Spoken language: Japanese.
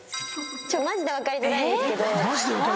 マジで分かりづらいんですけど。